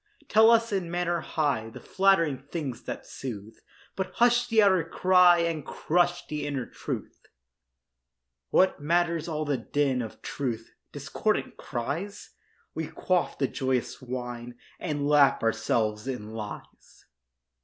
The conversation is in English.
Tell us in manner high The flattering things that soothe; But hush the outer cry And crush the inner truth. What matters all the din Of truth—discordant cries? We quaff the joyous wine And lap ourselves in lies.